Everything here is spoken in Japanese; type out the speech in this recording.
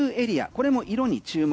これも色に注目。